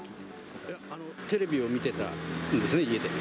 テレビを見てたんですね、家で。